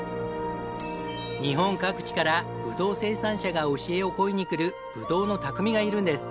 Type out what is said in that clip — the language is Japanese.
日本各地からぶどう生産者が教えを請いに来るぶどうの匠がいるんです。